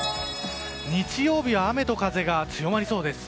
日曜日は雨と風が強まりそうです。